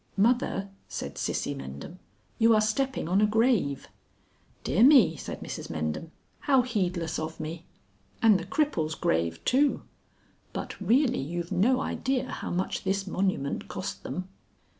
"Mother," said Cissie Mendham, "you are stepping on a grave." "Dear me!" said Mrs Mendham, "How heedless of me! And the cripple's grave too. But really you've no idea how much this monument cost them."